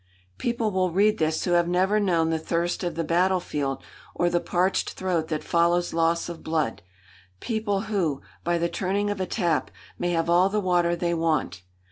People will read this who have never known the thirst of the battlefield or the parched throat that follows loss of blood; people who, by the turning of a tap, may have all the water they want.